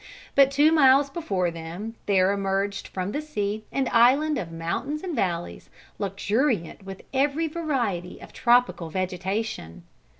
But two miles before them there emerged from the sea an island of mountains and valleys, luxuriant with every variety of tropical vegetation.